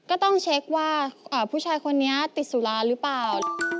ก็ต้องเช็คว่าผู้ชายคนนี้ติดสุราหรือเปล่า